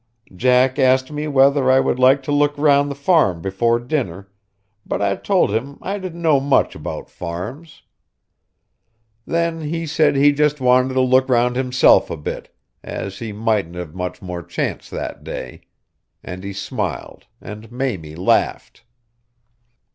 Jack asked me whether I would like to look round the farm before dinner, but I told him I didn't know much about farms. Then he said he just wanted to look round himself a bit, as he mightn't have much more chance that day; and he smiled, and Mamie laughed.